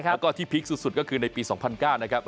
แล้วก็ที่พีคสุดก็คือในปี๒๐๐๙นะครับ